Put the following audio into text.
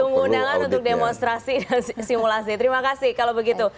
tamu undangan untuk demonstrasi simulasi terima kasih kalau begitu